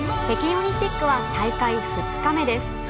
北京オリンピックは大会２日目です。